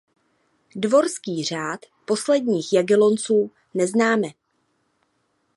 Dvorský řád posledních Jagellonců neznáme.